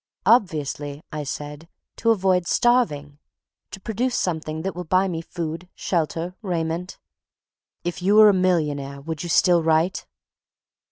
"Obviously," I said, "to avoid starving. To produce something that will buy me food, shelter, raiment." "If you were a millionaire, would you still write?"